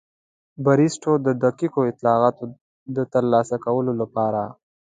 بریسټو د دقیقو اطلاعاتو د ترلاسه کولو لپاره.